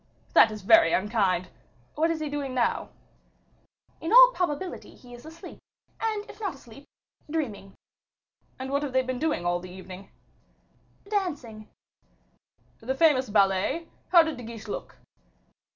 "That is very unkind. What is he doing now?" "In all probability he is asleep, or, if not asleep, dreaming." "And what have they been doing all the evening?" "Dancing." "The famous ballet? How did De Guiche look?"